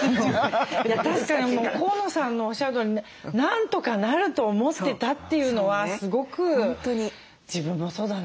確かに河野さんのおっしゃるとおりね何とかなると思ってたっていうのはすごく自分もそうだなと思いました。